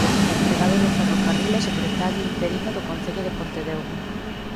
Empregado do ferrocarril e secretario interino do Concello de Pontedeume.